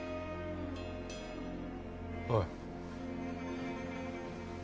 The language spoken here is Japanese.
おい